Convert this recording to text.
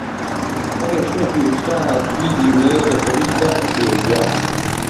ئهگەر شێخی ئیرشاد بيدينێ دهکهویتهکێوییه